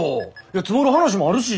いや積もる話もあるし。